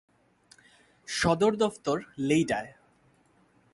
সদর দফতর লেইডায়।